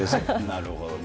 なるほどね。